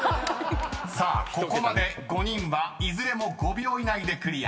［さあここまで５人はいずれも５秒以内でクリア］